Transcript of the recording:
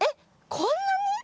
こんなに？